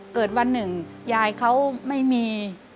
เกิดวันหนึ่งยายเขาไม่มี